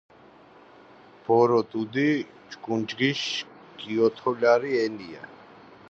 ბორო დუდი ჯგუნჯგიშ გიოთოლარი ენია